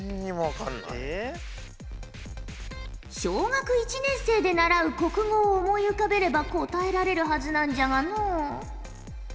小学１年生で習う国語を思い浮かべれば答えられるはずなんじゃがの。